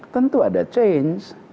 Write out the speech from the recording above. tentu ada change